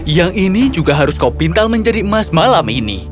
yang ini juga harus kau pintal menjadi emas malam ini